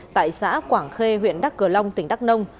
tại xã quảng khê huyện đắk cờ long tỉnh đắk nông